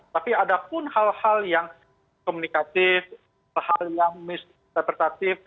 tapi ada pun hal hal yang komunikatif hal yang misinterpretatif